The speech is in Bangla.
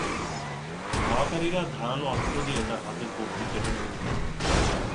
ধাওয়াকারীরা ধারালো অস্ত্র দিয়ে তাঁর হাতের কবজি কেটে রেখে চলে যান।